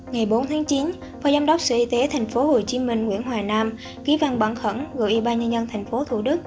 ngày bốn tháng chín phó giám đốc sở y tế tp hcm nguyễn hoà nam ký văn bản khẩn gửi ybnd tp thd